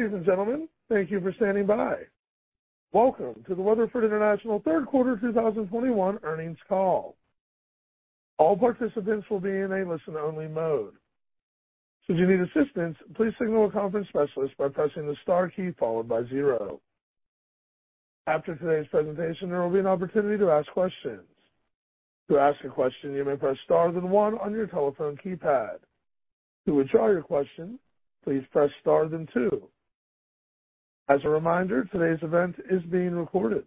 Ladies and gentlemen, thank you for standing by. Welcome to the Weatherford International Third Quarter 2021 earnings call. All participants will be in a listen-only mode. Should you need assistance, please signal a conference specialist by pressing the star key followed by zero. After today's presentation, there will be an opportunity to ask questions. To ask a question, you may press star then one on your telephone keypad. To withdraw your question, please press star then two. As a reminder, today's event is being recorded.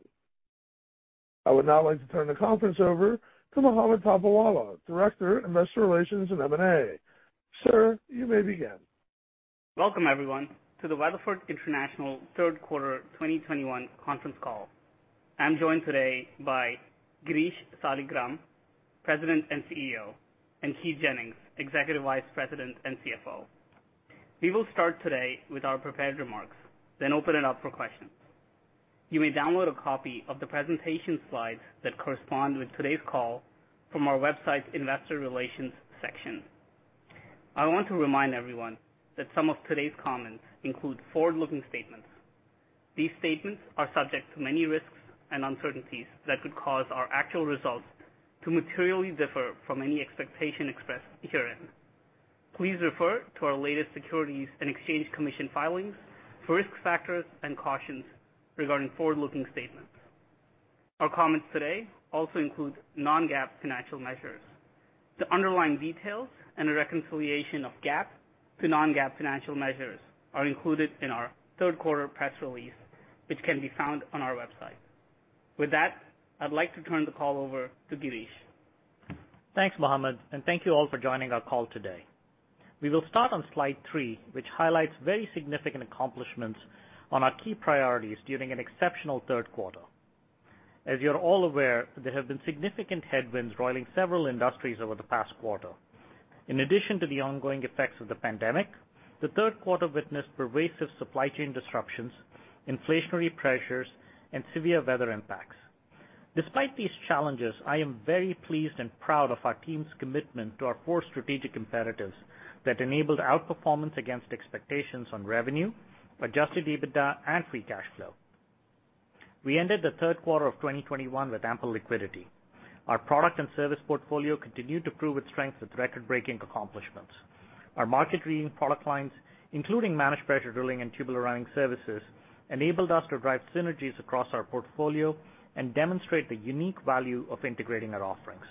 I would now like to turn the conference over to Mohammed Topiwala, Director, Investor Relations and M&A. Sir, you may begin. Welcome everyone to the Weatherford International Q3 2021 conference call. I'm joined today by Girish Saligram, President and CEO, and Keith Jennings, Executive Vice President and CFO. We will start today with our prepared remarks, then open it up for questions. You may download a copy of the presentation slides that correspond with today's call from our website's Investor Relations section. I want to remind everyone that some of today's comments include forward-looking statements. These statements are subject to many risks and uncertainties that could cause our actual results to materially differ from any expectation expressed herein. Please refer to our latest Securities and Exchange Commission filings for risk factors and cautions regarding forward-looking statements. Our comments today also include non-GAAP financial measures. The underlying details and the reconciliation of GAAP to non-GAAP financial measures are included in our third quarter press release, which can be found on our website. With that, I'd like to turn the call over to Girish. Thanks, Mohammed, and thank you all for joining our call today. We will start on slide three, which highlights very significant accomplishments on our key priorities during an exceptional third quarter. As you're all aware, there have been significant headwinds roiling several industries over the past quarter. In addition to the ongoing effects of the pandemic, the third quarter witnessed pervasive supply chain disruptions, inflationary pressures, and severe weather impacts. Despite these challenges, I am very pleased and proud of our team's commitment to our core strategic imperatives that enabled outperformance against expectations on revenue, adjusted EBITDA, and free cash flow. We ended the third quarter of 2021 with ample liquidity. Our product and service portfolio continued to prove its strength with record-breaking accomplishments. Our market-leading product lines, including Managed Pressure Drilling and Tubular Running Services, enabled us to drive synergies across our portfolio and demonstrate the unique value of integrating our offerings.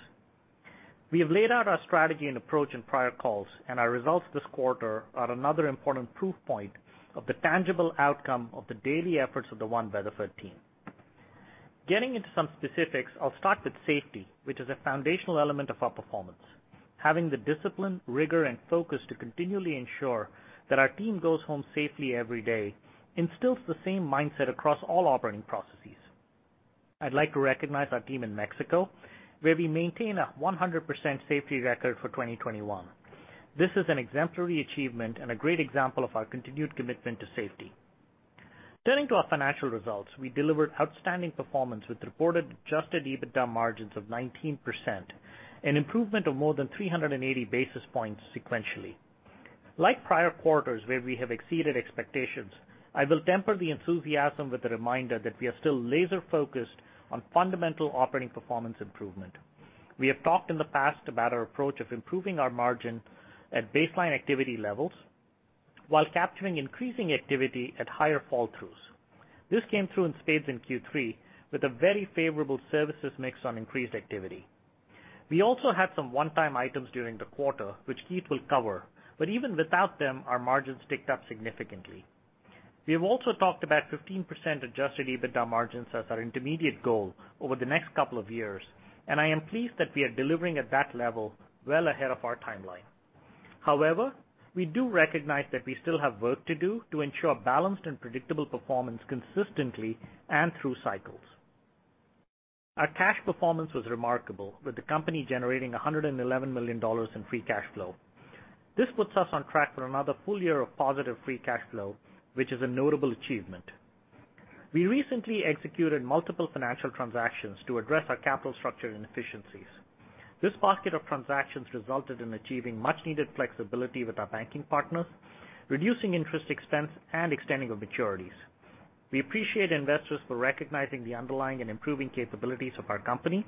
We have laid out our strategy and approach in prior calls, and our results this quarter are another important proof point of the tangible outcome of the daily efforts of the One Weatherford team. Getting into some specifics, I'll start with safety, which is a foundational element of our performance. Having the discipline, rigor, and focus to continually ensure that our team goes home safely every day instills the same mindset across all operating processes. I'd like to recognize our team in Mexico, where we maintain a 100% safety record for 2021. This is an exemplary achievement and a great example of our continued commitment to safety. Turning to our financial results, we delivered outstanding performance with reported adjusted EBITDA margins of 19%, an improvement of more than 380 basis points sequentially. Like prior quarters where we have exceeded expectations, I will temper the enthusiasm with a reminder that we are still laser-focused on fundamental operating performance improvement. We have talked in the past about our approach of improving our margin at baseline activity levels while capturing increasing activity at higher fall-throughs. This came through in spades in Q3 with a very favorable services mix on increased activity. We also had some one-time items during the quarter which Keith will cover, but even without them, our margins ticked up significantly. We have also talked about 15% adjusted EBITDA margins as our intermediate goal over the next couple of years, and I am pleased that we are delivering at that level well ahead of our timeline. However, we do recognize that we still have work to do to ensure balanced and predictable performance consistently and through cycles. Our cash performance was remarkable, with the company generating $111 million in free cash flow. This puts us on track for another full year of positive free cash flow, which is a notable achievement. We recently executed multiple financial transactions to address our capital structure inefficiencies. This basket of transactions resulted in achieving much-needed flexibility with our banking partners, reducing interest expense, and extending of maturities. We appreciate investors for recognizing the underlying and improving capabilities of our company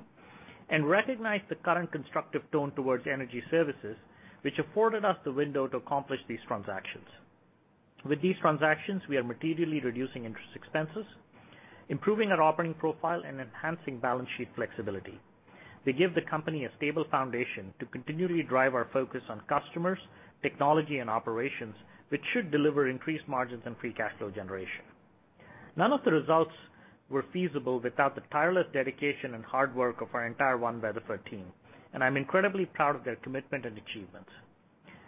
and recognize the current constructive tone towards energy services, which afforded us the window to accomplish these transactions. With these transactions, we are materially reducing interest expenses, improving our operating profile, and enhancing balance sheet flexibility. They give the company a stable foundation to continually drive our focus on customers, technology, and operations, which should deliver increased margins and free cash flow generation. None of the results were feasible without the tireless dedication and hard work of our entire One Weatherford team, and I'm incredibly proud of their commitment and achievements.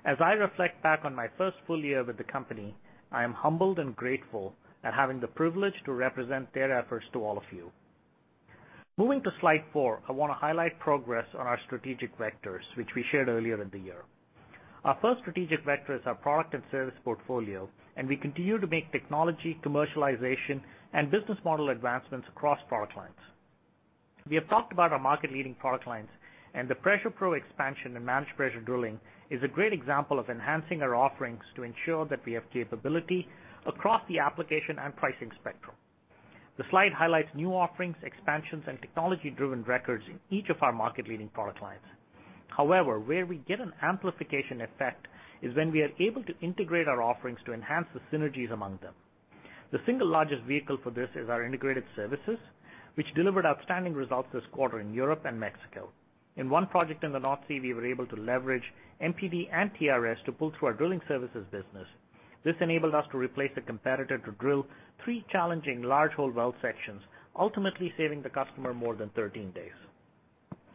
As I reflect back on my first full year with the company, I am humbled and grateful at having the privilege to represent their efforts to all of you. Moving to slide four, I wanna highlight progress on our strategic vectors which we shared earlier in the year. Our first strategic vector is our product and service portfolio, and we continue to make technology, commercialization, and business model advancements across product lines. We have talked about our market-leading product lines and the PressurePro expansion in Managed Pressure Drilling is a great example of enhancing our offerings to ensure that we have capability across the application and pricing spectrum. The slide highlights new offerings, expansions, and technology-driven records in each of our market-leading product lines. However, where we get an amplification effect is when we are able to integrate our offerings to enhance the synergies among them. The single largest vehicle for this is our integrated services, which delivered outstanding results this quarter in Europe and Mexico. In one project in the North Sea, we were able to leverage MPD and TRS to pull through our drilling services business. This enabled us to replace a competitor to drill three challenging large hole well sections, ultimately saving the customer more than 13 days.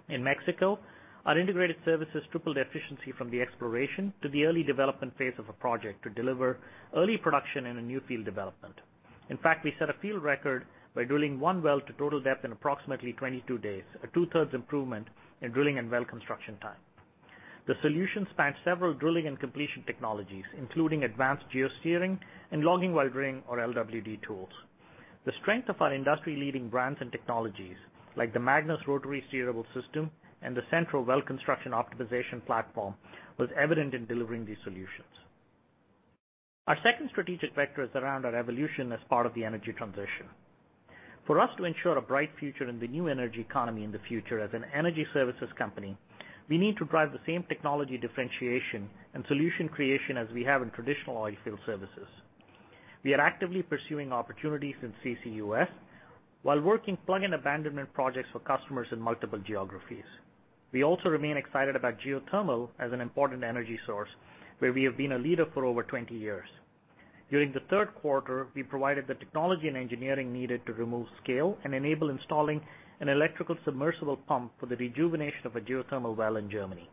In Mexico, our integrated services tripled efficiency from the exploration to the early development phase of a project to deliver early production in a new field development. In fact, we set a field record by drilling one well to total depth in approximately 22 days, a 2/3 improvement in drilling and well construction time. The solution spans several drilling and completion technologies, including advanced geosteering and Logging While Drilling, or LWD, tools. The strength of our industry-leading brands and technologies, like the Magnus Rotary Steerable System and the Centro Well Construction Optimization Platform, was evident in delivering these solutions. Our second strategic vector is around our evolution as part of the energy transition. For us to ensure a bright future in the new energy economy in the future as an energy services company, we need to drive the same technology differentiation and solution creation as we have in traditional oil field services. We are actively pursuing opportunities in CCUS while working plug and abandonment projects for customers in multiple geographies. We also remain excited about geothermal as an important energy source where we have been a leader for over 20 years. During the third quarter, we provided the technology and engineering needed to remove scale and enable installing an electrical submersible pump for the rejuvenation of a geothermal well in Germany.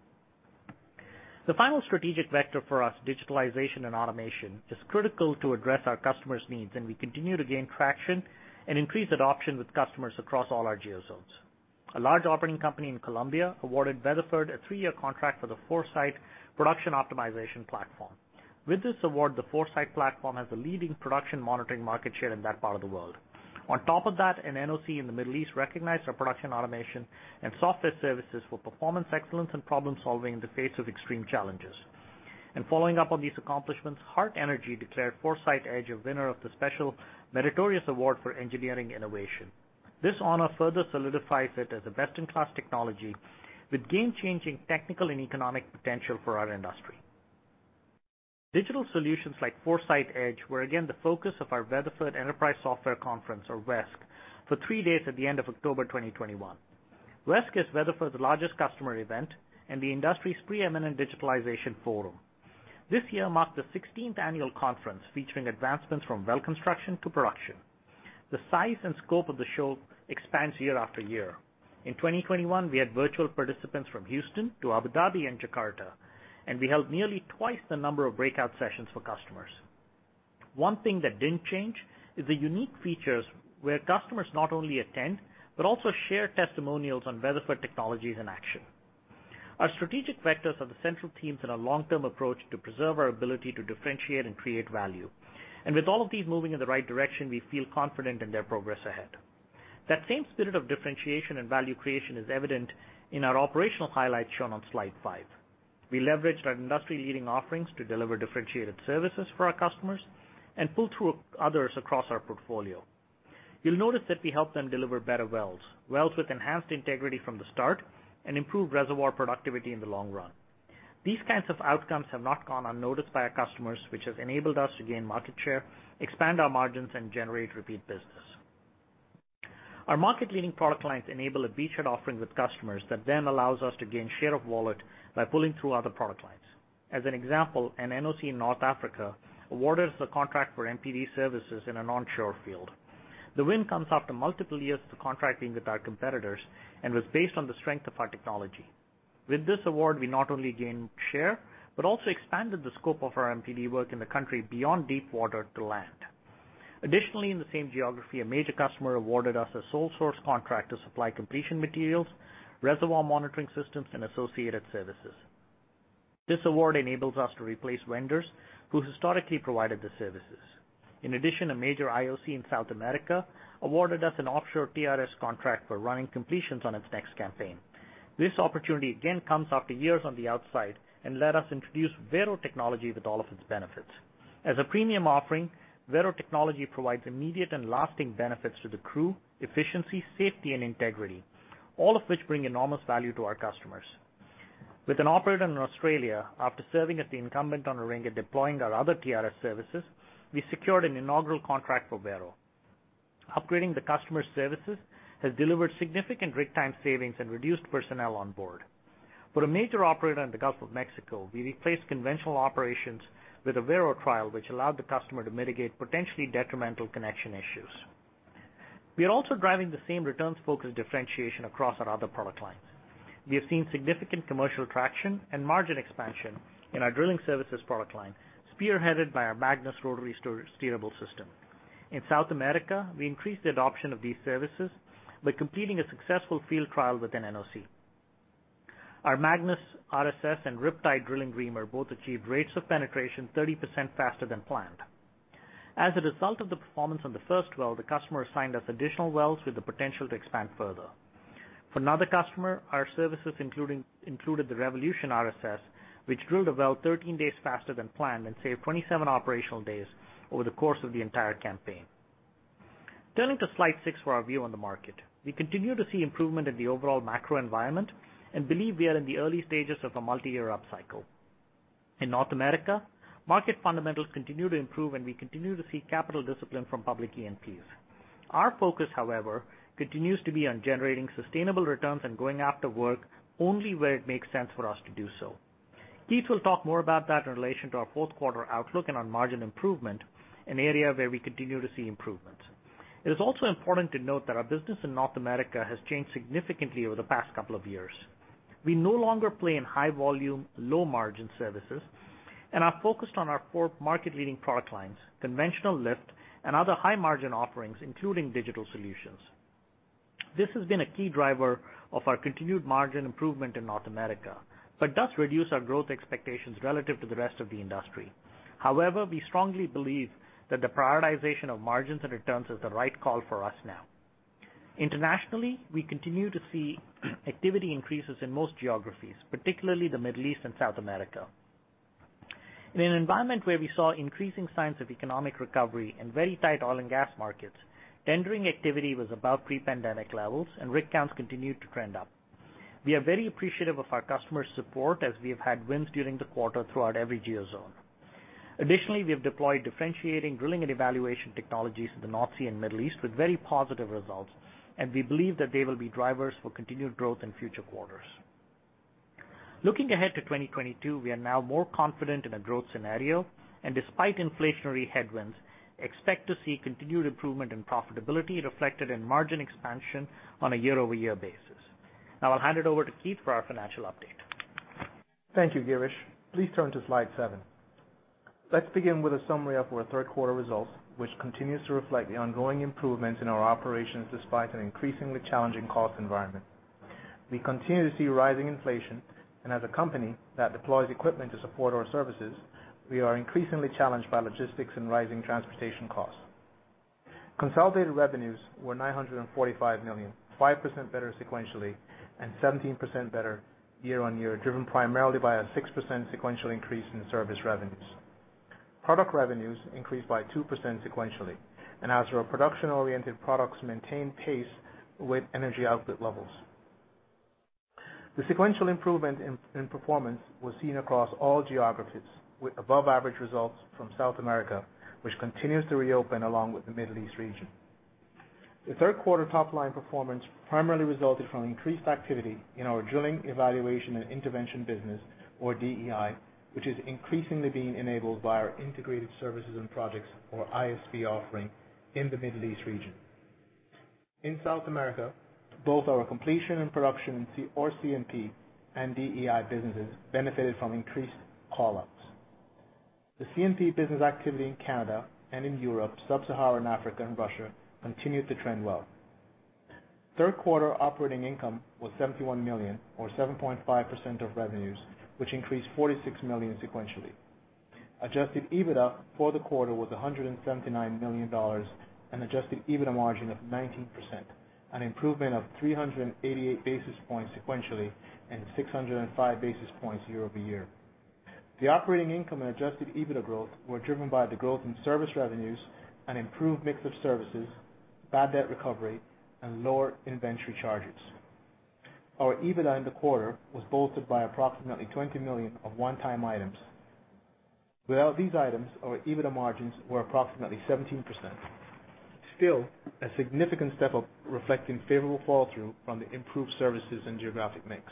The final strategic vector for us, digitalization and automation, is critical to address our customers' needs, and we continue to gain traction and increase adoption with customers across all our geo zones. A large operating company in Colombia awarded Weatherford a three-year contract for the ForeSite production optimization platform. With this award, the ForeSite platform has a leading production monitoring market share in that part of the world. On top of that, an NOC in the Middle East recognized our production automation and software services for performance excellence and problem-solving in the face of extreme challenges. Following up on these accomplishments, Hart Energy declared ForeSite Edge a winner of the Special Meritorious Award for Engineering Innovation. This honor further solidifies it as a best-in-class technology with game-changing technical and economic potential for our industry. Digital solutions like ForeSite Edge were again the focus of our Weatherford Enterprise Software Conference, or WESC, for three days at the end of October 2021. WESC is Weatherford's largest customer event and the industry's preeminent digitalization forum. This year marked the 16th annual conference featuring advancements from well construction to production. The size and scope of the show expands year after year. In 2021, we had virtual participants from Houston to Abu Dhabi and Jakarta, and we held nearly twice the number of breakout sessions for customers. One thing that didn't change is the unique features where customers not only attend, but also share testimonials on Weatherford technologies in action. Our strategic vectors are the central themes in our long-term approach to preserve our ability to differentiate and create value. With all of these moving in the right direction, we feel confident in their progress ahead. That same spirit of differentiation and value creation is evident in our operational highlights shown on slide five. We leveraged our industry-leading offerings to deliver differentiated services for our customers and pull through others across our portfolio. You'll notice that we help them deliver better wells with enhanced integrity from the start and improved reservoir productivity in the long run. These kinds of outcomes have not gone unnoticed by our customers, which has enabled us to gain market share, expand our margins, and generate repeat business. Our market-leading product lines enable a beachhead offering with customers that then allows us to gain share of wallet by pulling through other product lines. As an example, an NOC in North Africa awarded us a contract for MPD services in an onshore field. The win comes after multiple years of contracting with our competitors and was based on the strength of our technology. With this award, we not only gained share, but also expanded the scope of our MPD work in the country beyond deep water to land. Additionally, in the same geography, a major customer awarded us a sole source contract to supply completion materials, reservoir monitoring systems, and associated services. This award enables us to replace vendors who historically provided the services. In addition, a major IOC in South America awarded us an offshore TRS contract for running completions on its next campaign. This opportunity again comes after years on the outside and let us introduce Vero technology with all of its benefits. As a premium offering, Vero technology provides immediate and lasting benefits to the crew, efficiency, safety, and integrity, all of which bring enormous value to our customers. With an operator in Australia, after serving as the incumbent on a rig and deploying our other TRS services, we secured an inaugural contract for Vero. Upgrading the customer's services has delivered significant rig time savings and reduced personnel on board. For a major operator in the Gulf of Mexico, we replaced conventional operations with a Vero trial, which allowed the customer to mitigate potentially detrimental connection issues. We are also driving the same returns-focused differentiation across our other product lines. We have seen significant commercial traction and margin expansion in our drilling services product line, spearheaded by our Magnus Rotary Steerable System. In South America, we increased the adoption of these services by completing a successful field trial with an NOC. Our Magnus RSS and RipTide drilling reamer both achieved rates of penetration 30% faster than planned. As a result of the performance on the first well, the customer assigned us additional wells with the potential to expand further. For another customer, our services included the Revolution RSS, which drilled a well 13 days faster than planned and saved 27 operational days over the course of the entire campaign. Turning to slide six for our view on the market. We continue to see improvement in the overall macro environment and believe we are in the early stages of a multi-year upcycle. In North America, market fundamentals continue to improve, and we continue to see capital discipline from public E&Ps. Our focus, however, continues to be on generating sustainable returns and going after work only where it makes sense for us to do so. Keith will talk more about that in relation to our fourth quarter outlook and on margin improvement, an area where we continue to see improvements. It is also important to note that our business in North America has changed significantly over the past couple of years. We no longer play in high volume, low margin services and are focused on our four market leading product lines, conventional lift and other high margin offerings, including digital solutions. This has been a key driver of our continued margin improvement in North America, but does reduce our growth expectations relative to the rest of the industry. However, we strongly believe that the prioritization of margins and returns is the right call for us now. Internationally, we continue to see activity increases in most geographies, particularly the Middle East and South America. In an environment where we saw increasing signs of economic recovery and very tight oil and gas markets, tendering activity was above pre-pandemic levels and rig counts continued to trend up. We are very appreciative of our customers' support as we have had wins during the quarter throughout every geozone. Additionally, we have deployed differentiating drilling and evaluation technologies in the North Sea and Middle East with very positive results, and we believe that they will be drivers for continued growth in future quarters. Looking ahead to 2022, we are now more confident in a growth scenario and despite inflationary headwinds, expect to see continued improvement in profitability reflected in margin expansion on a year-over-year basis. Now I'll hand it over to Keith for our financial update. Thank you, Girish. Please turn to slide seven. Let's begin with a summary of our third quarter results, which continues to reflect the ongoing improvements in our operations despite an increasingly challenging cost environment. We continue to see rising inflation, and as a company that deploys equipment to support our services, we are increasingly challenged by logistics and rising transportation costs. Consolidated revenues were $945 million, 5% better sequentially and 17% better year-on-year, driven primarily by a 6% sequential increase in service revenues. Product revenues increased by 2% sequentially, and as our production oriented products maintained pace with energy output levels. The sequential improvement in performance was seen across all geographies, with above average results from South America, which continues to reopen along with the Middle East region. The third quarter top line performance primarily resulted from increased activity in our Drilling, Evaluation and Intervention business, or DEI, which is increasingly being enabled by our Integrated Services and Projects or ISP offering in the Middle East region. In South America, both our Completions and Production or C&P and DEI businesses benefited from increased call ups. The C&P business activity in Canada and in Europe, Sub-Saharan Africa and Russia continued to trend well. Third quarter operating income was $71 million or 7.5% of revenues, which increased $46 million sequentially. Adjusted EBITDA for the quarter was $179 million, an adjusted EBITDA margin of 19%, an improvement of 388 basis points sequentially and 605 basis points year-over-year. The operating income and adjusted EBITDA growth were driven by the growth in service revenues and improved mix of services, bad debt recovery and lower inventory charges. Our EBITDA in the quarter was bolstered by approximately $20 million of one-time items. Without these items, our EBITDA margins were approximately 17%, still a significant step up, reflecting favorable flow-through from the improved services and geographic mix.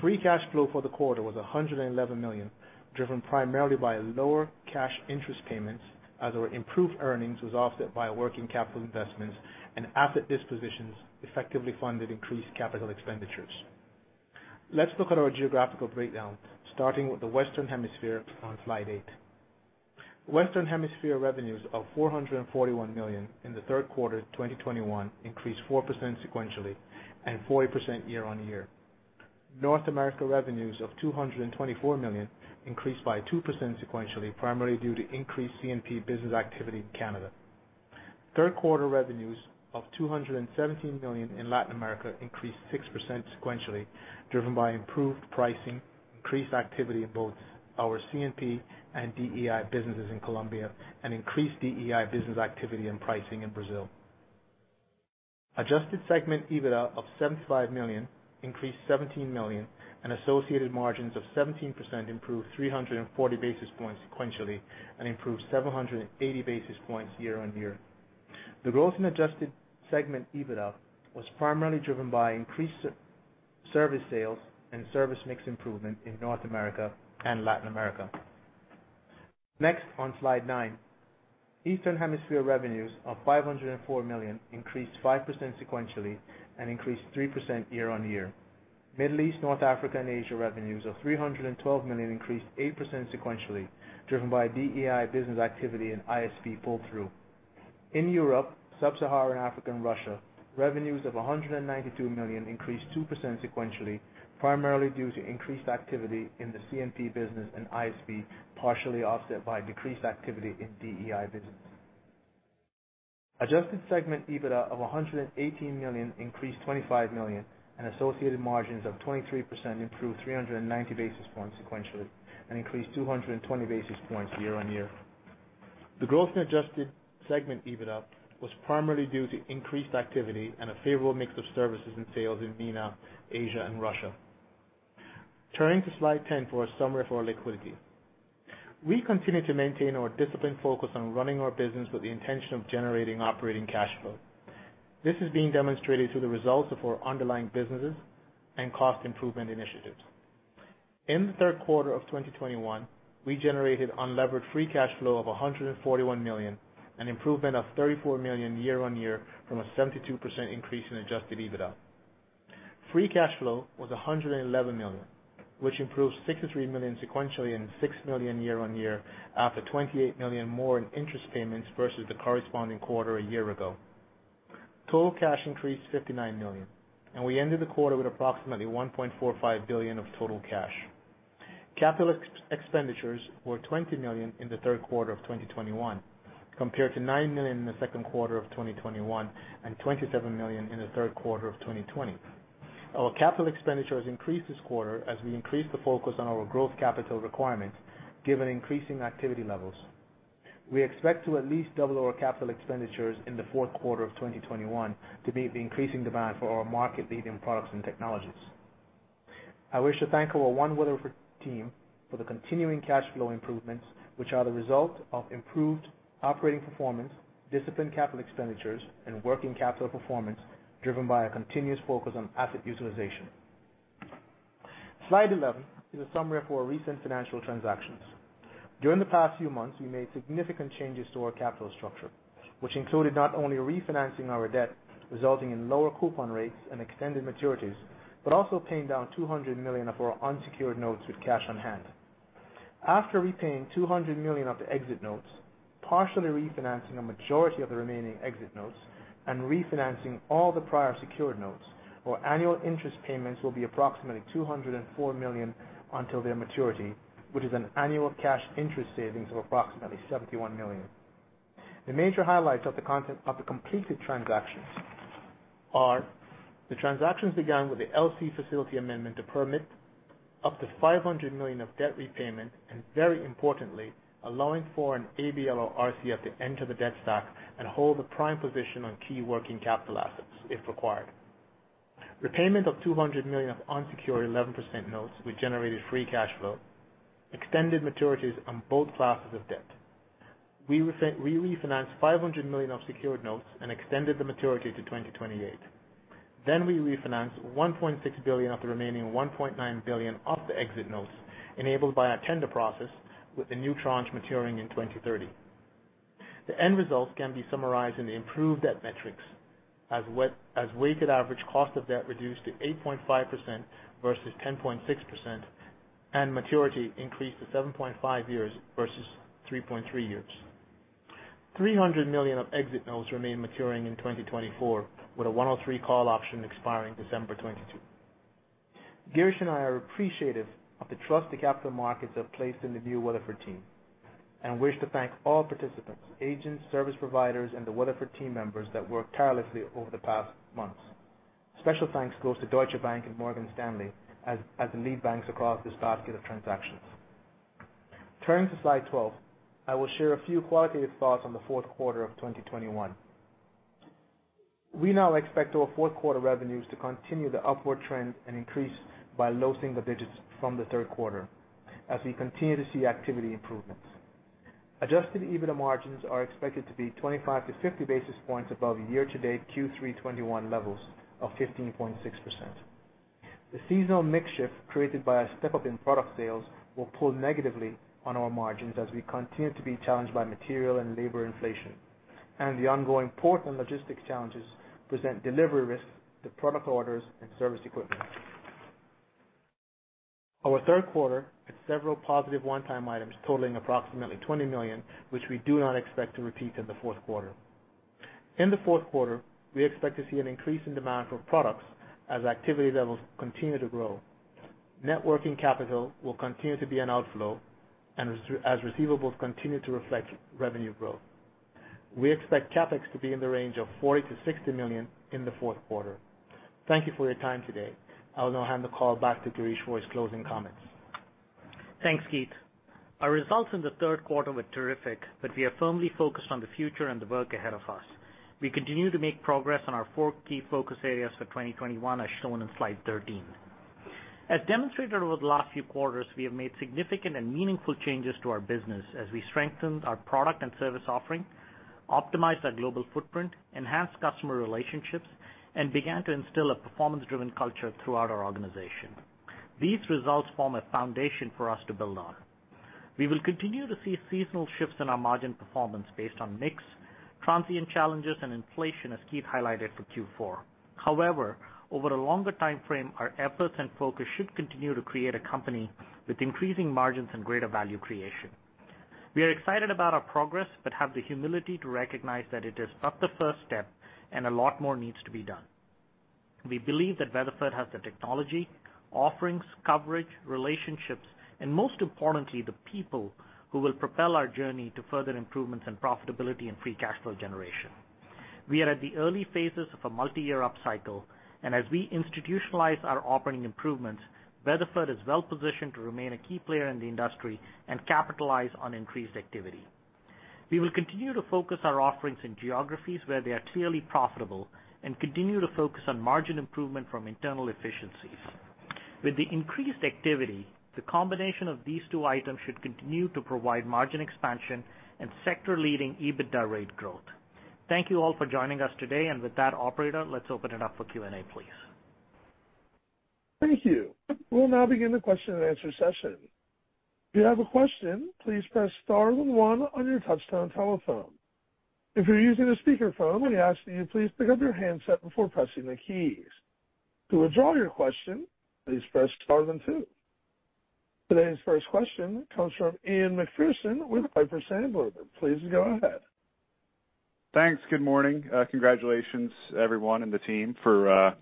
Free cash flow for the quarter was $111 million, driven primarily by lower cash interest payments as our improved earnings was offset by working capital investments and asset dispositions effectively funded increased capital expenditures. Let's look at our geographical breakdown, starting with the Western Hemisphere on slide eight. Western Hemisphere revenues of $441 million in the third quarter 2021 increased 4% sequentially and 40% year-on-year. North America revenues of $224 million increased by 2% sequentially, primarily due to increased C&P business activity in Canada. Third quarter revenues of $217 million in Latin America increased 6% sequentially, driven by improved pricing, increased activity in both our C&P and DEI businesses in Colombia, and increased DEI business activity and pricing in Brazil. Adjusted segment EBITDA of $75 million increased $17 million and associated margins of 17% improved 340 basis points sequentially and improved 780 basis points year-over-year. The growth in adjusted segment EBITDA was primarily driven by increased service sales and service mix improvement in North America and Latin America. Next on slide nine. Eastern Hemisphere revenues of $504 million increased 5% sequentially and increased 3% year-over-year. Middle East, North Africa and Asia revenues of $312 million increased 8% sequentially, driven by DEI business activity and ISP pull through. In Europe, Sub-Saharan Africa, and Russia, revenues of $192 million increased 2% sequentially, primarily due to increased activity in the C&P business and ISP, partially offset by decreased activity in DEI business. Adjusted segment EBITDA of $118 million increased $25 million and associated margins of 23% improved 390 basis points sequentially, and increased 220 basis points year-on-year. The growth in adjusted segment EBITDA was primarily due to increased activity and a favorable mix of services and sales in MENA, Asia and Russia. Turning to slide 10 for a summary of our liquidity. We continue to maintain our disciplined focus on running our business with the intention of generating operating cash flow. This is being demonstrated through the results of our underlying businesses and cost improvement initiatives. In the third quarter of 2021, we generated unlevered free cash flow of $141 million, an improvement of $34 million year-on-year from a 72% increase in adjusted EBITDA. Free cash flow was $111 million, which improved $63 million sequentially and $6 million year-on-year after $28 million more in interest payments versus the corresponding quarter a year ago. Total cash increased $59 million, and we ended the quarter with approximately $1.45 billion of total cash. Capital expenditures were $20 million in the third quarter of 2021, compared to $9 million in the second quarter of 2021 and $27 million in the third quarter of 2020. Our capital expenditures increased this quarter as we increased the focus on our growth capital requirements given increasing activity levels. We expect to at least double our capital expenditures in the fourth quarter of 2021 to meet the increasing demand for our market-leading products and technologies. I wish to thank our One Weatherford team for the continuing cash flow improvements, which are the result of improved operating performance, disciplined capital expenditures, and working capital performance driven by a continuous focus on asset utilization. Slide 11 is a summary of our recent financial transactions. During the past few months, we made significant changes to our capital structure, which included not only refinancing our debt, resulting in lower coupon rates and extended maturities, but also paying down $200 million of our unsecured notes with cash on hand. After repaying $200 million of the exit notes, partially refinancing a majority of the remaining exit notes, and refinancing all the prior secured notes, our annual interest payments will be approximately $204 million until their maturity, which is an annual cash interest savings of approximately $71 million. The major highlights of the completed transactions are the transactions began with the LC facility amendment to permit up to $500 million of debt repayment, and very importantly, allowing for an ABL or RCF to enter the debt stack and hold the prime position on key working capital assets if required. Repayment of $200 million of unsecured 11% notes, which generated free cash flow, extended maturities on both classes of debt. We refinanced $500 million of secured notes and extended the maturity to 2028. We refinanced $1.6 billion of the remaining $1.9 billion of the exit notes enabled by our tender process with the new tranche maturing in 2030. The end results can be summarized in the improved debt metrics as weighted average cost of debt reduced to 8.5% versus 10.6%, and maturity increased to 7.5 years versus 3.3 years. $300 million of exit notes remain maturing in 2024, with a 103 call option expiring December 2022. Girish and I are appreciative of the trust the capital markets have placed in the new Weatherford team and wish to thank all participants, agents, service providers, and the Weatherford team members that worked tirelessly over the past months. Special thanks goes to Deutsche Bank and Morgan Stanley as the lead banks across this basket of transactions. Turning to slide 12, I will share a few qualitative thoughts on the fourth quarter of 2021. We now expect our fourth quarter revenues to continue the upward trend and increase by low single digits from the third quarter as we continue to see activity improvements. Adjusted EBITDA margins are expected to be 25 basis points-50 basis points above year-to-date Q3 2021 levels of 15.6%. The seasonal mix shift created by a step-up in product sales will pull negatively on our margins as we continue to be challenged by material and labor inflation. The ongoing port and logistics challenges present delivery risks to product orders and service equipment. Our third quarter had several positive one-time items totaling approximately $20 million, which we do not expect to repeat in the fourth quarter. In the fourth quarter, we expect to see an increase in demand for products as activity levels continue to grow. Net working capital will continue to be an outflow as receivables continue to reflect revenue growth. We expect CapEx to be in the range of $40 million-$60 million in the fourth quarter. Thank you for your time today. I will now hand the call back to Girish for his closing comments. Thanks, Keith. Our results in the third quarter were terrific. We are firmly focused on the future and the work ahead of us. We continue to make progress on our four key focus areas for 2021, as shown in slide 13. As demonstrated over the last few quarters, we have made significant and meaningful changes to our business as we strengthened our product and service offering, optimized our global footprint, enhanced customer relationships, and began to instill a performance-driven culture throughout our organization. These results form a foundation for us to build on. We will continue to see seasonal shifts in our margin performance based on mix, transient challenges, and inflation, as Keith highlighted for Q4. However, over a longer timeframe, our efforts and focus should continue to create a company with increasing margins and greater value creation. We are excited about our progress, but have the humility to recognize that it is but the first step and a lot more needs to be done. We believe that Weatherford has the technology, offerings, coverage, relationships, and most importantly, the people who will propel our journey to further improvements in profitability and free cash flow generation. We are at the early phases of a multi-year upcycle, and as we institutionalize our operating improvements, Weatherford is well positioned to remain a key player in the industry and capitalize on increased activity. We will continue to focus our offerings in geographies where they are clearly profitable and continue to focus on margin improvement from internal efficiencies. With the increased activity, the combination of these two items should continue to provide margin expansion and sector-leading EBITDA rate growth. Thank you all for joining us today. With that, operator, let's open it up for Q&A, please. Thank you. We'll now begin the question-and-answer session. If you have a question, please press star one on your touch-tone telephone. If you're using a speakerphone, we ask that you please pick up your handset before pressing the keys. To withdraw your question, please press star then two. Today's first question comes from Ian Macpherson with Piper Sandler. Please go ahead. Thanks. Good morning. Congratulations everyone in the team for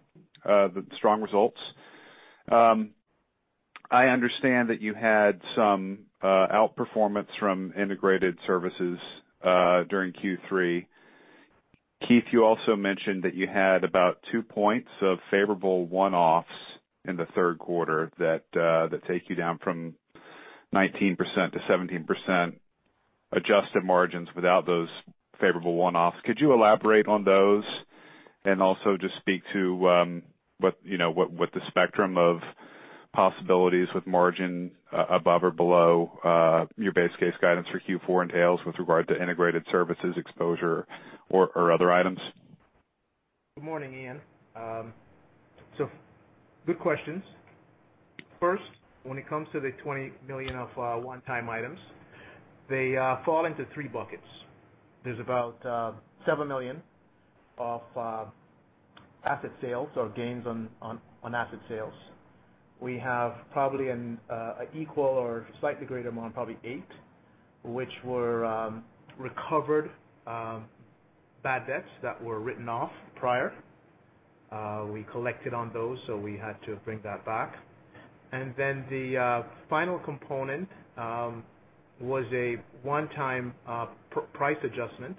the strong results. I understand that you had some outperformance from integrated services during Q3. Keith, you also mentioned that you had about two points of favorable one-offs in the third quarter that take you down from 19% to 17% adjusted margins without those favorable one-offs. Could you elaborate on those and also just speak to what you know, what the spectrum of possibilities with margin above or below your base case guidance for Q4 entails with regard to integrated services exposure or other items? Good morning, Ian. Good questions. First, when it comes to the $20 million of one-time items, they fall into three buckets. There's about $7 million of asset sales or gains on asset sales. We have probably an equal or slightly greater amount, probably $8 million, which were recovered bad debts that were written off prior. We collected on those, so we had to bring that back. Then the final component was a one-time price adjustment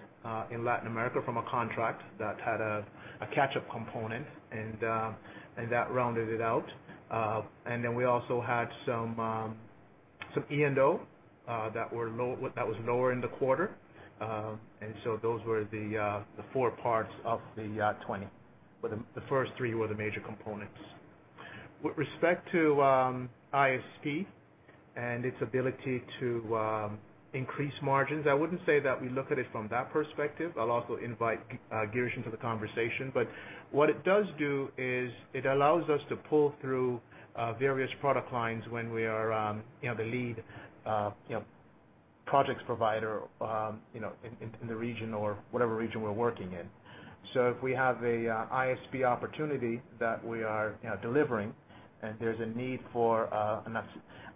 in Latin America from a contract that had a catch-up component, and that rounded it out. Then we also had some E&O that was lower in the quarter. Those were the four parts of the $20 million. The first three were the major components. With respect to ISP and its ability to increase margins, I wouldn't say that we look at it from that perspective. I'll also invite Girish into the conversation. What it does do is it allows us to pull through various product lines when we are you know the lead you know projects provider you know in the region or whatever region we're working in. So if we have a ISP opportunity that we are you know delivering and there's a need for an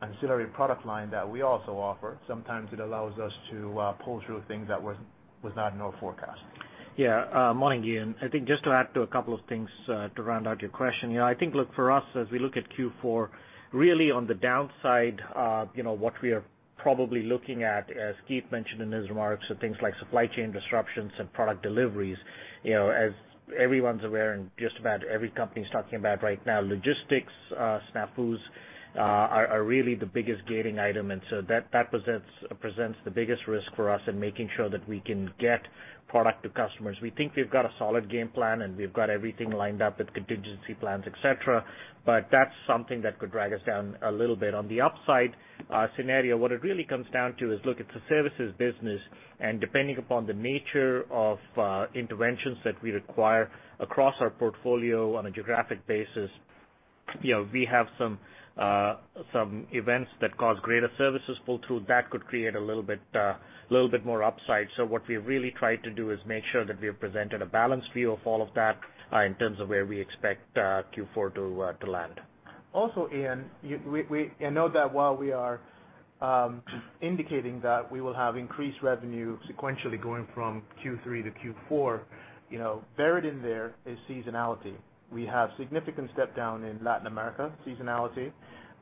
ancillary product line that we also offer, sometimes it allows us to pull through things that was not in our forecast. Yeah. Morning, Ian. I think just to add to a couple of things to round out your question. You know, I think, look, for us, as we look at Q4, really on the downside, you know, what we are probably looking at, as Keith mentioned in his remarks, are things like supply chain disruptions and product deliveries. You know, as everyone's aware and just about every company is talking about right now, logistics snafus are really the biggest gating item. That presents the biggest risk for us in making sure that we can get product to customers. We think we've got a solid game plan, and we've got everything lined up with contingency plans, et cetera, but that's something that could drag us down a little bit. On the upside scenario, what it really comes down to is, look, it's a services business, and depending upon the nature of interventions that we require across our portfolio on a geographic basis, you know, we have some events that cause greater services pull-through. That could create a little bit more upside. What we really try to do is make sure that we have presented a balanced view of all of that in terms of where we expect Q4 to land. Also, Ian, note that while we are indicating that we will have increased revenue sequentially going from Q3 to Q4, you know, buried in there is seasonality. We have significant step down in Latin America seasonality.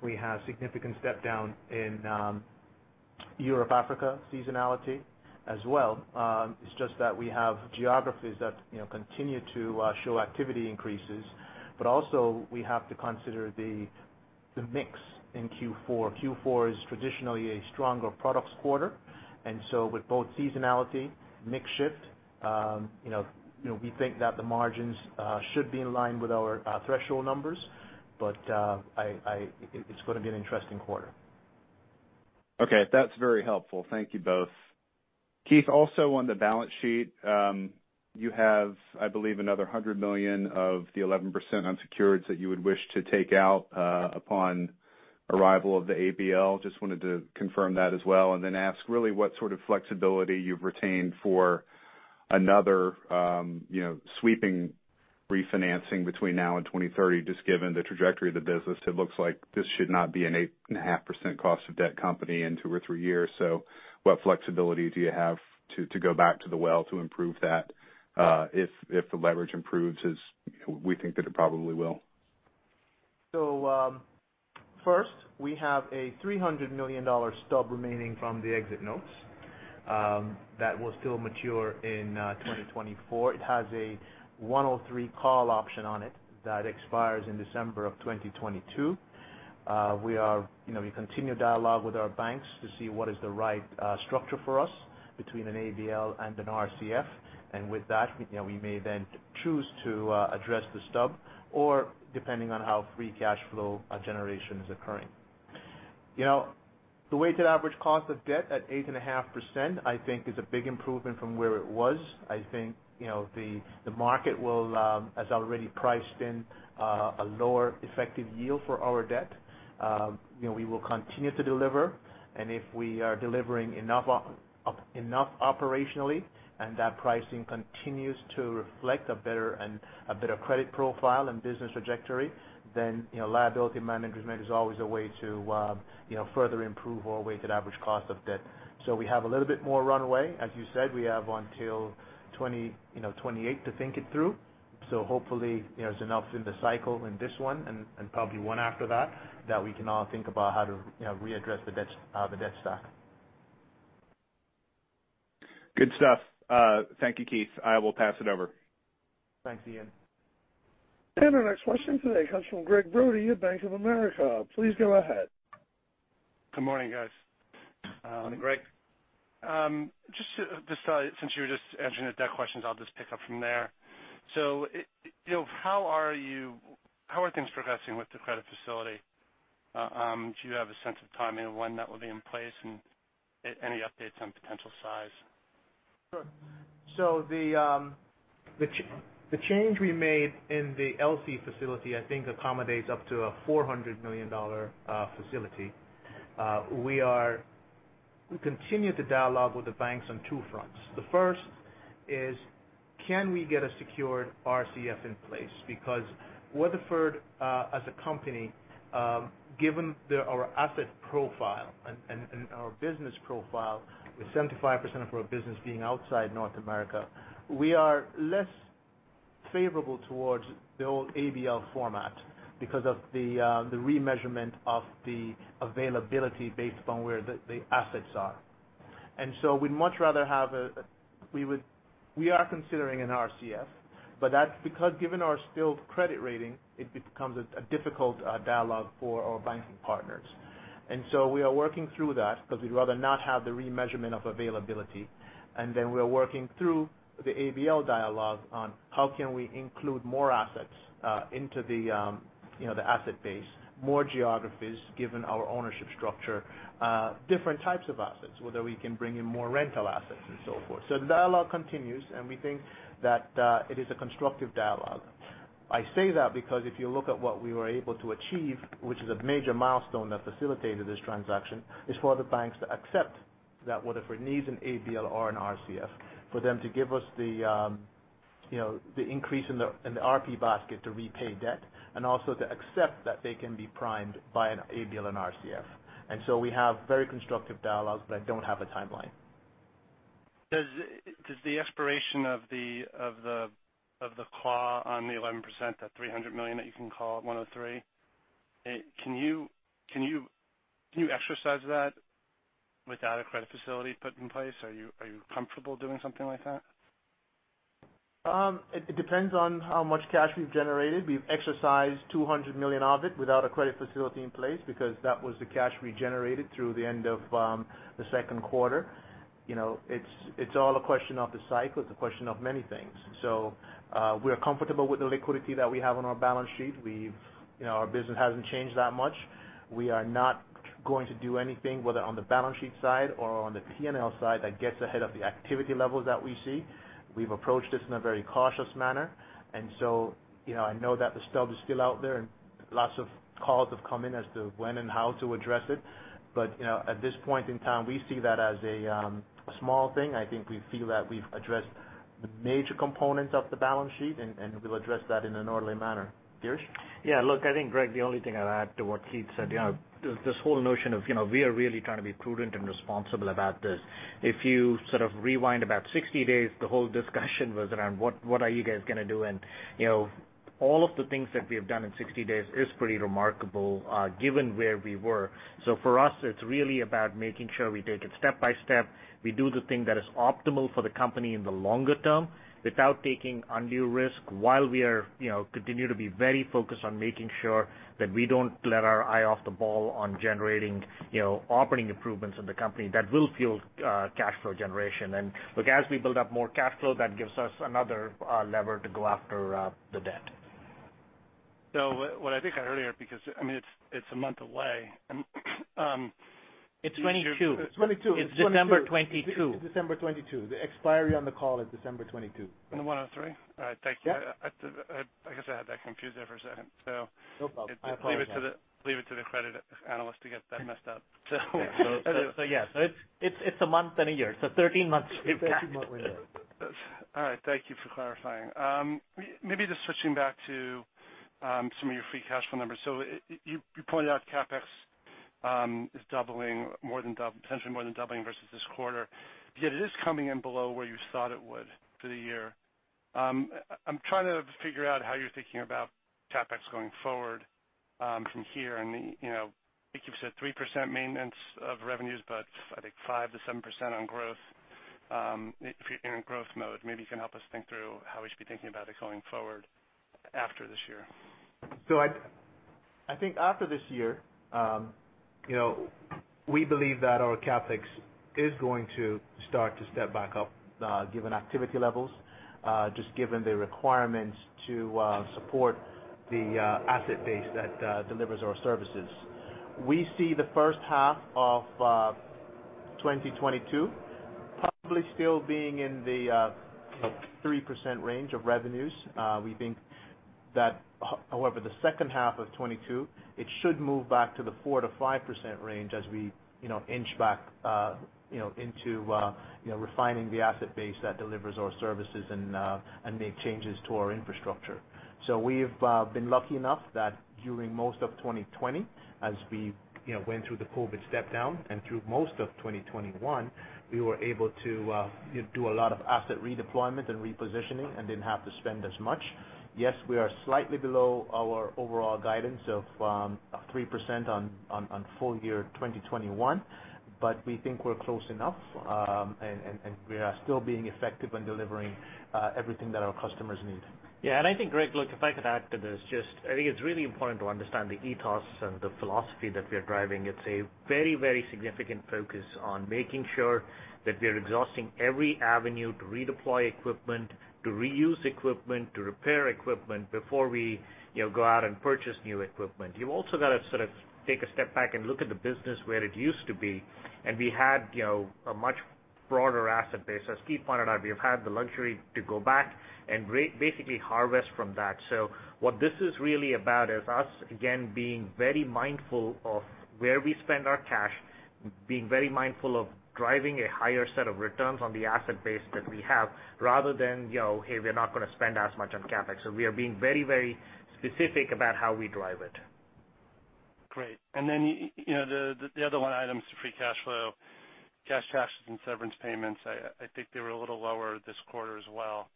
We have significant step down in Europe, Africa seasonality as well. It's just that we have geographies that, you know, continue to show activity increases. But also, we have to consider the mix in Q4. Q4 is traditionally a stronger products quarter. With both seasonality, mix shift, you know, we think that the margins should be in line with our threshold numbers. It's gonna be an interesting quarter. Okay. That's very helpful. Thank you both. Keith, also on the balance sheet, you have, I believe, another $100 million of the 11% unsecured that you would wish to take out upon arrival of the ABL. Just wanted to confirm that as well, and then ask really what sort of flexibility you've retained for another, you know, sweeping refinancing between now and 2030, just given the trajectory of the business. It looks like this should not be an 8.5% cost of debt company in two or three years. What flexibility do you have to go back to the well to improve that, if the leverage improves as we think that it probably will? First, we have a $300 million stub remaining from the exit notes that will still mature in 2024. It has a 103 call option on it that expires in December 2022. We are, you know, we continue dialogue with our banks to see what is the right structure for us between an ABL and an RCF. With that, you know, we may then choose to address the stub or depending on how free cash flow generation is occurring. You know, the weighted average cost of debt at 8.5%, I think is a big improvement from where it was. I think, you know, the market has already priced in a lower effective yield for our debt. You know, we will continue to deliver. If we are delivering enough operationally, and that pricing continues to reflect a better credit profile and business trajectory, then, you know, liability management is always a way to, you know, further improve our weighted average cost of debt. We have a little bit more runway. As you said, we have until 2028 to think it through. Hopefully, there's enough in the cycle in this one and probably one after that we can all think about how to, you know, readdress the debt, the debt stack. Good stuff. Thank you, Keith. I will pass it over. Thanks, Ian. Our next question today comes from Gregg Brody at Bank of America. Please go ahead. Good morning, guys. Morning, Greg. Just since you were just answering the debt questions, I'll just pick up from there. You know, how are things progressing with the credit facility? Do you have a sense of timing when that will be in place and any updates on potential size? Sure. The change we made in the LC facility, I think accommodates up to a $400 million facility. We continue to dialogue with the banks on two fronts. The first is, can we get a secured RCF in place? Because Weatherford, as a company, given our asset profile and our business profile, with 75% of our business being outside North America, we are less favorable towards the old ABL format because of the remeasurement of the availability based on where the assets are. We'd much rather have. We are considering an RCF, but that's because given our still credit rating, it becomes a difficult dialogue for our banking partners. We are working through that because we'd rather not have the remeasurement of availability. We are working through the ABL dialogue on how can we include more assets into the you know the asset base, more geographies, given our ownership structure, different types of assets, whether we can bring in more rental assets and so forth. The dialogue continues, and we think that it is a constructive dialogue. I say that because if you look at what we were able to achieve, which is a major milestone that facilitated this transaction, is for the banks to accept that Weatherford needs an ABL or an RCF, for them to give us the you know the increase in the RP basket to repay debt, and also to accept that they can be primed by an ABL and RCF. We have very constructive dialogues, but I don't have a timeline. Does the expiration of the claw on the 11%, that $300 million that you can call at 103, can you exercise that without a credit facility put in place? Are you comfortable doing something like that? It depends on how much cash we've generated. We've exercised $200 million of it without a credit facility in place because that was the cash we generated through the end of the second quarter. You know, it's all a question of the cycle. It's a question of many things. We're comfortable with the liquidity that we have on our balance sheet. We've, you know, our business hasn't changed that much. We are not going to do anything, whether on the balance sheet side or on the P&L side that gets ahead of the activity levels that we see. We've approached this in a very cautious manner. You know, I know that the stub is still out there and lots of calls have come in as to when and how to address it. You know, at this point in time, we see that as a small thing. I think we feel that we've addressed the major components of the balance sheet, and we'll address that in an orderly manner. Girish? Yeah. Look, I think, Gregg, the only thing I'd add to what Keith said, you know, this whole notion of, you know, we are really trying to be prudent and responsible about this. If you sort of rewind about 60 days, the whole discussion was around what are you guys gonna do? You know, all of the things that we have done in 60 days is pretty remarkable, given where we were. For us, it's really about making sure we take it step by step. We do the thing that is optimal for the company in the longer term without taking undue risk while we are, you know, continue to be very focused on making sure that we don't let our eye off the ball on generating, you know, operating improvements in the company that will fuel cash flow generation. Look, as we build up more cash flow, that gives us another lever to go after the debt. What I think I heard here, because, I mean, it's a month away. It's 2022. It's 2022. It's December 2022. December 2022. The expiry on the call is December 2022. On the 103? All right, thank you. Yeah. I guess I had that confused there for a second. So- No problem. I apologize. Leave it to the credit analyst to get that messed up. It's a month and a year, so 13 months if capped. 13 months later. All right. Thank you for clarifying. Maybe just switching back to some of your free cash flow numbers. So you pointed out CapEx is doubling, potentially more than doubling versus this quarter. Yet it is coming in below where you thought it would for the year. I'm trying to figure out how you're thinking about CapEx going forward from here. You know, I think you've said 3% maintenance of revenues, but I think 5%-7% on growth. If you're in growth mode, maybe you can help us think through how we should be thinking about it going forward after this year. I think after this year, you know, we believe that our CapEx is going to start to step back up, given activity levels, just given the requirements to support the asset base that delivers our services. We see the first half of 2022 probably still being in the, you know, 3% range of revenues. We think that however, the second half of 2022, it should move back to the 4%-5% range as we, you know, inch back, you know, into, you know, refining the asset base that delivers our services and make changes to our infrastructure. We've been lucky enough that during most of 2020, as we went through the COVID step down and through most of 2021, we were able to do a lot of asset redeployment and repositioning and didn't have to spend as much. Yes, we are slightly below our overall guidance of 3% on full year 2021, but we think we're close enough and we are still being effective in delivering everything that our customers need. Yeah, I think, Greg, look, if I could add to this, just I think it's really important to understand the ethos and the philosophy that we are driving. It's a very, very significant focus on making sure that we are exhausting every avenue to redeploy equipment, to reuse equipment, to repair equipment before we, you know, go out and purchase new equipment. You've also gotta sort of take a step back and look at the business where it used to be. We had, you know, a much broader asset base. As Keith pointed out, we have had the luxury to go back and basically harvest from that. What this is really about is us, again, being very mindful of where we spend our cash, being very mindful of driving a higher set of returns on the asset base that we have, rather than, you know, "Hey, we're not gonna spend as much on CapEx." We are being very, very specific about how we drive it. Great. You know, the other one item is the free cash flow, cash taxes and severance payments. I think they were a little lower this quarter as well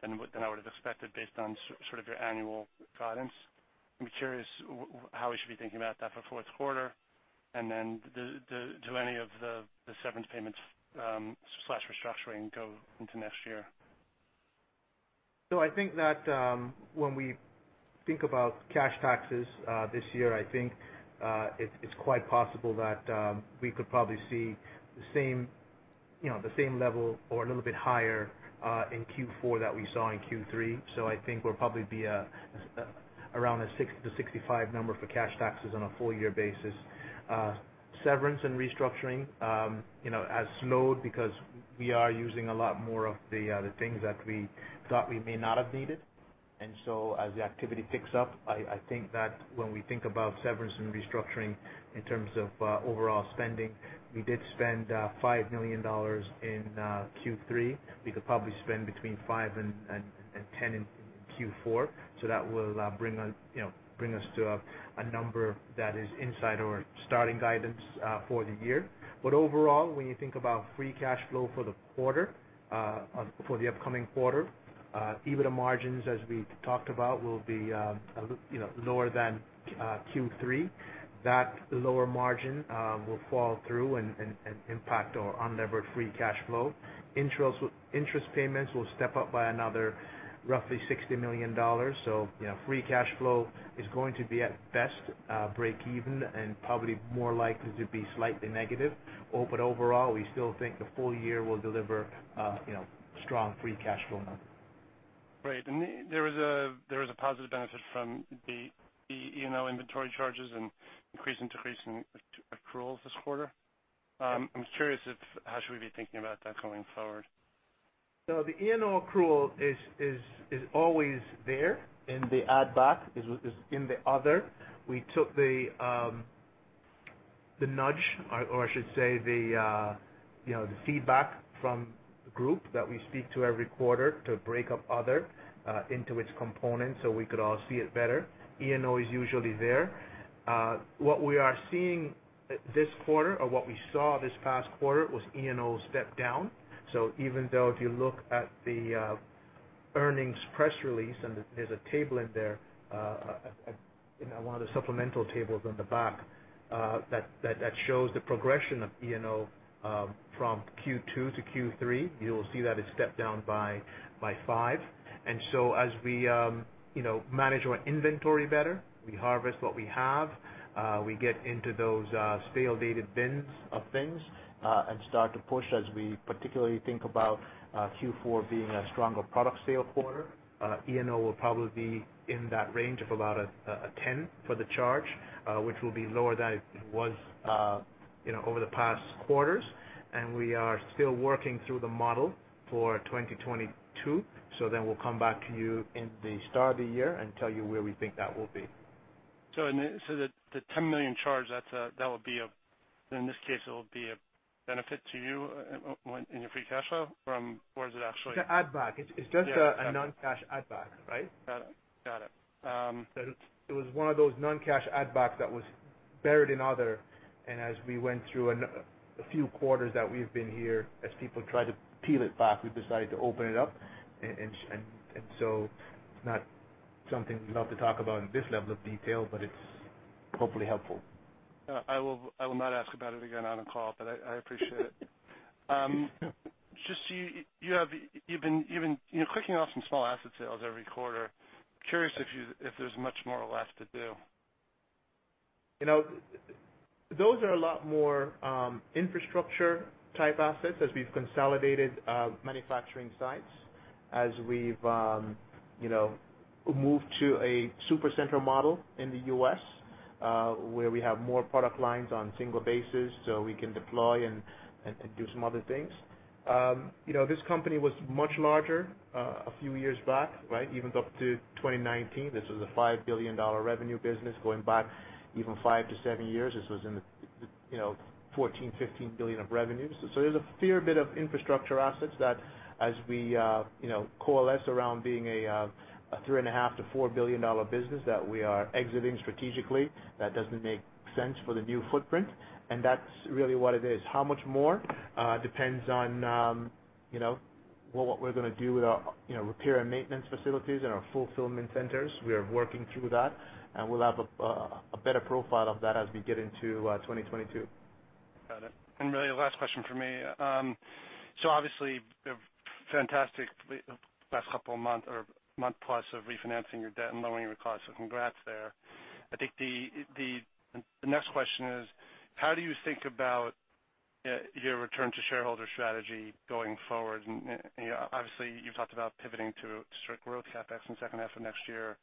than I would have expected based on sort of your annual guidance. I'm curious how we should be thinking about that for fourth quarter. Do any of the severance payments slash restructuring go into next year? I think that when we think about cash taxes this year, I think it's quite possible that we could probably see the same, you know, the same level or a little bit higher in Q4 that we saw in Q3. I think we'll probably be around a $60 million-$65 million number for cash taxes on a full year basis. Severance and restructuring you know has slowed because we are using a lot more of the things that we thought we may not have needed. As the activity picks up, I think that when we think about severance and restructuring in terms of overall spending, we did spend $5 million in Q3. We could probably spend between $5 million and $10 million in Q4, so that will bring us, you know, to a number that is inside our starting guidance for the year. Overall, when you think about free cash flow for the quarter for the upcoming quarter, EBITDA margins, as we talked about, will be, you know, lower than Q3. That lower margin will fall through and impact our unlevered free cash flow. Interest payments will step up by another roughly $60 million. You know, free cash flow is going to be, at best, break even and probably more likely to be slightly negative. Overall, we still think the full year will deliver, you know, strong free cash flow number. Great. There was a positive benefit from the E&O inventory charges and increase and decrease in accruals this quarter. I'm curious, how should we be thinking about that going forward? The E&O accrual is always there in the add back in the other. We took the nudge, or I should say you know the feedback from the group that we speak to every quarter to break up other into its components, so we could all see it better. E&O is usually there. What we are seeing this quarter or what we saw this past quarter was E&O step down. Even though if you look at the earnings press release, and there's a table in there in one of the supplemental tables on the back that shows the progression of E&O from Q2 to Q3, you'll see that it stepped down by five. As we, you know, manage our inventory better, we harvest what we have, we get into those stale dated bins of things, and start to push as we particularly think about Q4 being a stronger product sale quarter, E&O will probably be in that range of about $10 million for the charge, which will be lower than it was, you know, over the past quarters. We are still working through the model for 2022, so then we'll come back to you in the start of the year and tell you where we think that will be. The $10 million charge, that's. In this case, it will be a benefit to you in your free cash flow, or is it actually The add back. It's just a non-cash add back, right? Got it. It was one of those non-cash add-backs that was buried in other, and as we went through a few quarters that we've been here, as people tried to peel it back, we decided to open it up. It's not something we love to talk about in this level of detail, but it's hopefully helpful. Yeah, I will not ask about it again on a call, but I appreciate it. Just, you've been, you know, clicking off some small asset sales every quarter. Curious if there's much more or less to do. You know, those are a lot more infrastructure type assets as we've consolidated manufacturing sites, as we've you know, moved to a super center model in the U.S., where we have more product lines on single basis, so we can deploy and do some other things. You know, this company was much larger a few years back, right? Even up to 2019, this was a $5 billion revenue business. Going back even five to seven years, this was in the $14 billion-$15 billion of revenues. So there's a fair bit of infrastructure assets that as we you know, coalesce around being a $3.5 billion-$4 billion business that we are exiting strategically, that doesn't make sense for the new footprint, and that's really what it is. How much more depends on, you know, what we're gonna do with our, you know, repair and maintenance facilities and our fulfillment centers. We are working through that, and we'll have a better profile of that as we get into 2022. Got it. Really last question for me. Obviously a fantastic past couple of months or month plus of refinancing your debt and lowering your costs, congrats there. I think the next question is how do you think about your return to shareholder strategy going forward? You know, obviously, you've talked about pivoting to strict growth CapEx in the second half of next year,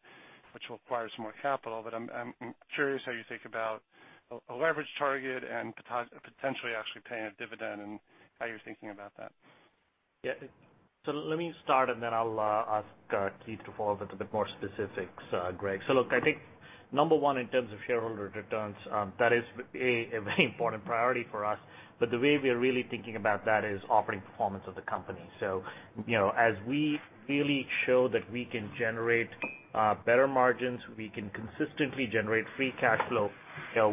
which will require some more capital. I'm curious how you think about a leverage target and potentially actually paying a dividend and how you're thinking about that. Yeah. Let me start, and then I'll ask Keith to follow up with a bit more specifics, Greg. Look, I think number one, in terms of shareholder returns, that is a very important priority for us, but the way we are really thinking about that is operating performance of the company. You know, as we really show that we can generate better margins, we can consistently generate free cash flow,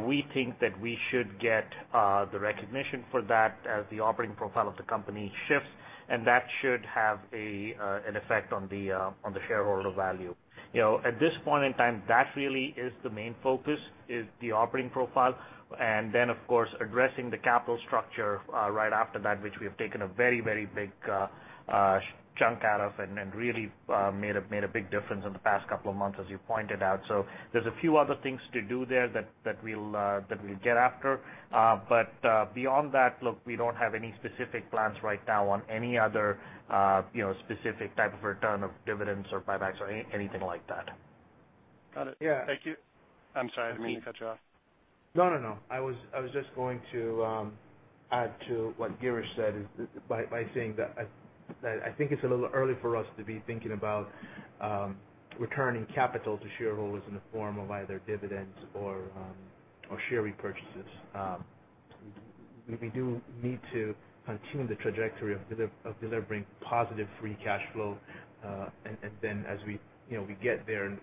we think that we should get the recognition for that as the operating profile of the company shifts, and that should have an effect on the shareholder value. You know, at this point in time, that really is the main focus, the operating profile. Then, of course, addressing the capital structure right after that, which we have taken a very big chunk out of and really made a big difference in the past couple of months, as you pointed out. There's a few other things to do there that we'll get after. Beyond that, look, we don't have any specific plans right now on any other, you know, specific type of return of dividends or buybacks or anything like that. Got it. Yeah. Thank you. I'm sorry. I didn't mean to cut you off. No. I was just going to add to what Girish said by saying that I think it's a little early for us to be thinking about returning capital to shareholders in the form of either dividends or share repurchases. We do need to continue the trajectory of delivering positive free cash flow. As we you know get there and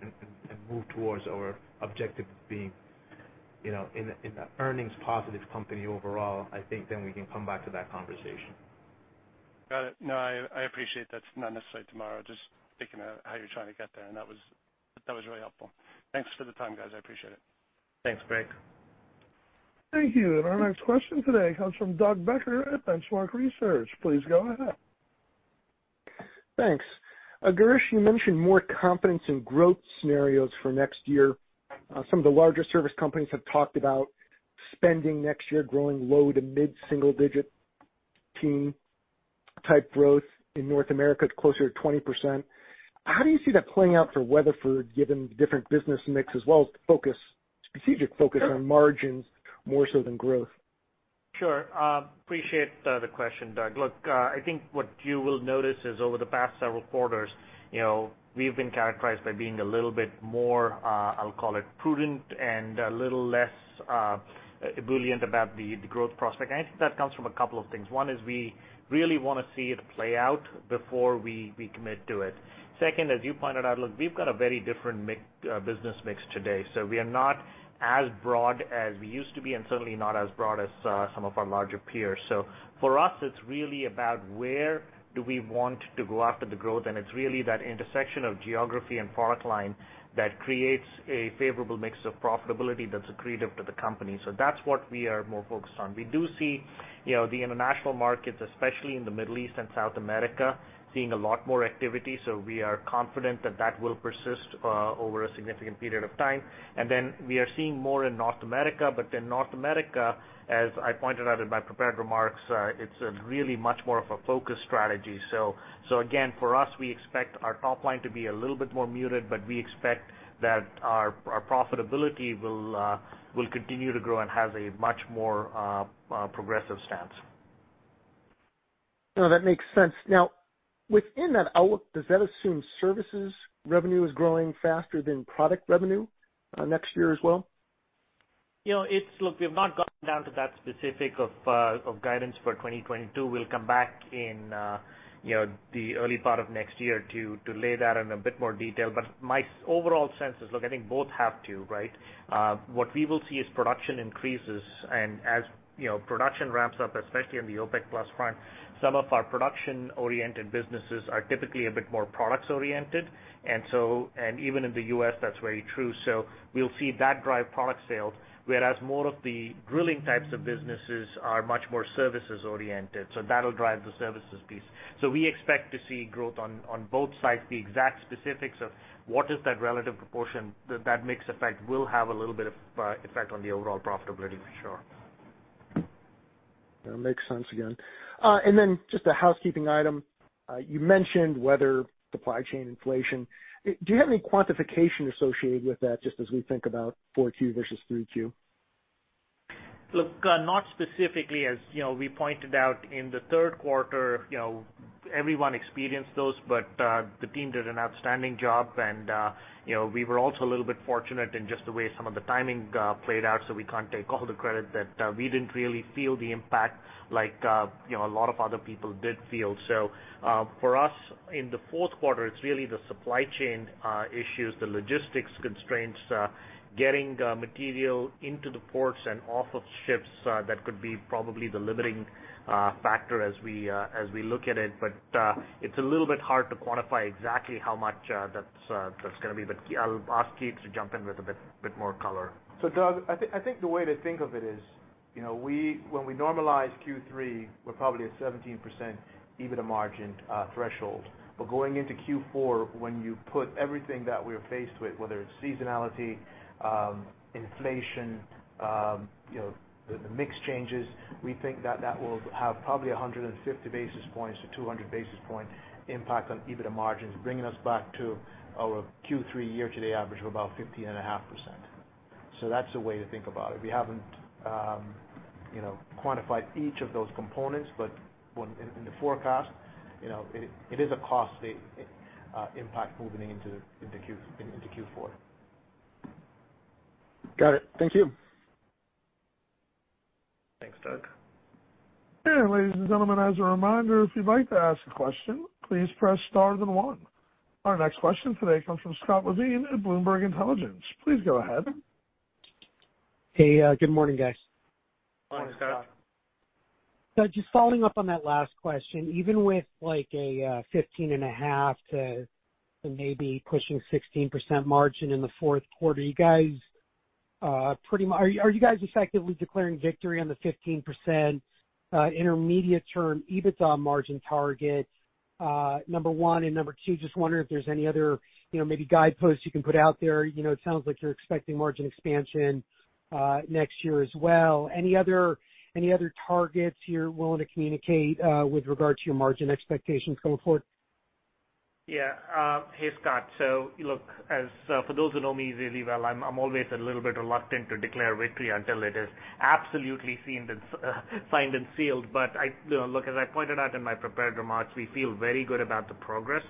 move towards our objective being you know an earnings positive company overall, I think we can come back to that conversation. Got it. No, I appreciate that's not necessarily tomorrow, just thinking about how you're trying to get there, and that was really helpful. Thanks for the time, guys. I appreciate it. Thanks, Greg. Thank you. Our next question today comes from Douglas Becker at Benchmark Research. Please go ahead. Thanks. Girish, you mentioned more confidence in growth scenarios for next year. Some of the larger service companies have talked about spending next year growing low to mid-single digit teen type growth. In North America, it's closer to 20%. How do you see that playing out for Weatherford, given the different business mix as well as the focus, strategic focus on margins more so than growth? Sure. Appreciate the question, Doug. Look, I think what you will notice is over the past several quarters, you know, we've been characterized by being a little bit more, I'll call it prudent and a little less, ebullient about the growth prospect. I think that comes from a couple of things. One is we really wanna see it play out before we commit to it. Second, as you pointed out, look, we've got a very different mix, business mix today. We are not as broad as we used to be and certainly not as broad as some of our larger peers. For us, it's really about where do we want to go after the growth, and it's really that intersection of geography and product line that creates a favorable mix of profitability that's accretive to the company. That's what we are more focused on. We do see, you know, the international markets, especially in the Middle East and South America, seeing a lot more activity, so we are confident that that will persist over a significant period of time. Then we are seeing more in North America. In North America, as I pointed out in my prepared remarks, it's really much more of a focused strategy. Again, for us, we expect our top line to be a little bit more muted, but we expect that our profitability will continue to grow and have a much more progressive stance. No, that makes sense. Now, within that outlook, does that assume services revenue is growing faster than product revenue, next year as well? Look, we have not gone down to that specific of guidance for 2022. We'll come back in, you know, the early part of next year to lay that in a bit more detail. But my overall sense is, look, I think both have to, right? What we will see is production increases. And as, you know, production ramps up, especially on the OPEC+ front, some of our production-oriented businesses are typically a bit more products-oriented. And even in the U.S., that's very true. So we'll see that drive product sales, whereas more of the drilling types of businesses are much more services-oriented, so that'll drive the services piece. So we expect to see growth on both sides. The exact specifics of what is that relative proportion, that mix effect will have a little bit of effect on the overall profitability for sure. That makes sense again. Just a housekeeping item. You mentioned Weatherford supply chain inflation. Do you have any quantification associated with that just as we think about 4Q versus 3Q? Look, not specifically. As you know, we pointed out in the third quarter, you know, everyone experienced those. The team did an outstanding job. You know, we were also a little bit fortunate in just the way some of the timing played out, so we can't take all the credit that we didn't really feel the impact like, you know, a lot of other people did feel. For us in the fourth quarter, it's really the supply chain issues, the logistics constraints, getting material into the ports and off of ships that could be probably the limiting factor as we look at it. It's a little bit hard to quantify exactly how much that's gonna be. I'll ask Keith to jump in with a bit more color. Doug, I think the way to think of it is, you know, when we normalize Q3, we're probably at 17% EBITDA margin threshold. But going into Q4, when you put everything that we're faced with, whether it's seasonality, inflation, you know, the mix changes, we think that that will have probably 150 basis points-200 basis points impact on EBITDA margins, bringing us back to our Q3 year-to-date average of about 15.5%. That's the way to think about it. We haven't, you know, quantified each of those components, but in the forecast, you know, it is a costly impact moving into Q4. Got it. Thank you. Thanks, Doug. Ladies and gentlemen, as a reminder, if you'd like to ask a question, please press star then one. Our next question today comes from Scott Levine at Bloomberg Intelligence. Please go ahead. Hey, good morning, guys. Morning, Scott. Morning, Scott. Just following up on that last question. Even with, like, a 15.5% to maybe pushing 16% margin in the fourth quarter, you guys, are you guys effectively declaring victory on the 15% intermediate term EBITDA margin target, number one? And number two, just wondering if there's any other, you know, maybe guideposts you can put out there. You know, it sounds like you're expecting margin expansion next year as well. Any other targets you're willing to communicate with regard to your margin expectations going forward? Yeah. Hey, Scott. Look, as for those who know me really well, I'm always a little bit reluctant to declare victory until it is absolutely sealed and signed. But you know, look, as I pointed out in my prepared remarks, we feel very good about the progress.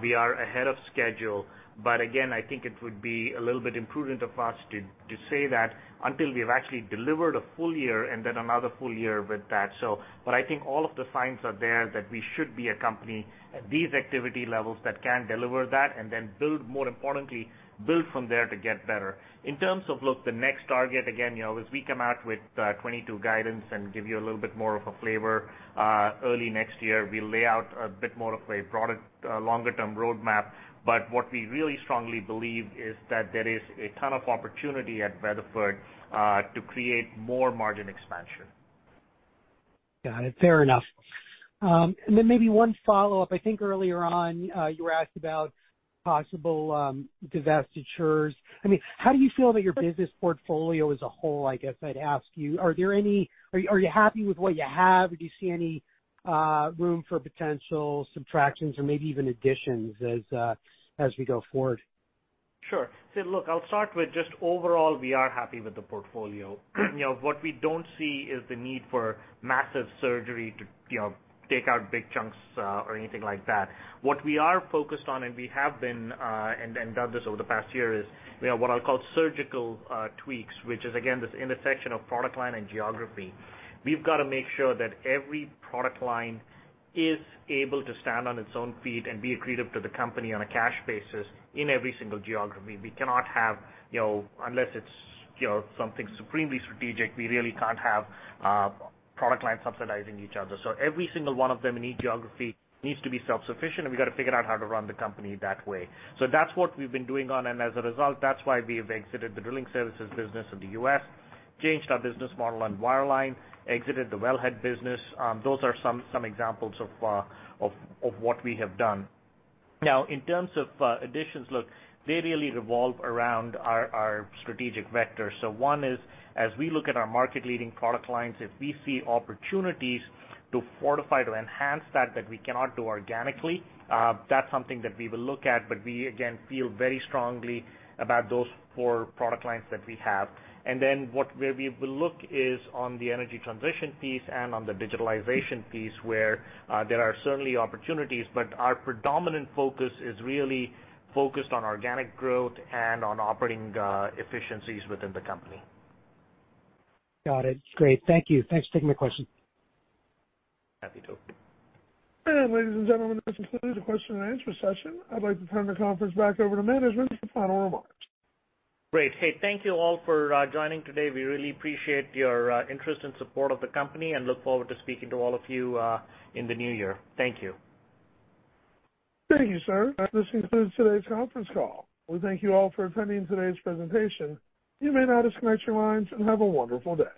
We are ahead of schedule. But again, I think it would be a little bit imprudent of us to say that until we've actually delivered a full year and then another full year with that. But I think all of the signs are there that we should be a company at these activity levels that can deliver that and then build, more importantly, from there to get better. In terms of, look, the next target, again, you know, as we come out with 2022 guidance and give you a little bit more of a flavor, early next year, we lay out a bit more of a product, longer term roadmap. What we really strongly believe is that there is a ton of opportunity at Weatherford to create more margin expansion. Got it. Fair enough. Then maybe one follow-up. I think earlier on, you were asked about possible divestitures. I mean, how do you feel about your business portfolio as a whole, I guess I'd ask you. Are you happy with what you have or do you see any room for potential subtractions or maybe even additions as we go forward? Sure. Look, I'll start with just overall, we are happy with the portfolio. You know, what we don't see is the need for massive surgery to, you know, take out big chunks, or anything like that. What we are focused on, and we have been and done this over the past year, is, you know, what I'll call surgical tweaks, which is again, this intersection of product line and geography. We've gotta make sure that every product line is able to stand on its own feet and be accretive to the company on a cash basis in every single geography. We cannot have, you know, unless it's, you know, something supremely strategic, we really can't have product lines subsidizing each other. Every single one of them in each geography needs to be self-sufficient, and we've gotta figure out how to run the company that way. That's what we've been doing on. As a result, that's why we've exited the drilling services business in the U.S., changed our business model on wireline, exited the wellhead business. Those are some examples of what we have done. Now, in terms of additions, look, they really revolve around our strategic vectors. One is, as we look at our market leading product lines, if we see opportunities to fortify, to enhance that we cannot do organically, that's something that we will look at. We again feel very strongly about those four product lines that we have. Where we will look is on the energy transition piece and on the digitalization piece, where there are certainly opportunities. Our predominant focus is really focused on organic growth and on operating efficiencies within the company. Got it. Great. Thank you. Thanks for taking my question. Happy to. Ladies and gentlemen, this concludes the question and answer session. I'd like to turn the conference back over to management for final remarks. Great. Hey, thank you all for joining today. We really appreciate your interest and support of the company and look forward to speaking to all of you in the new year. Thank you. Thank you, sir. This concludes today's conference call. We thank you all for attending today's presentation. You may now disconnect your lines and have a wonderful day.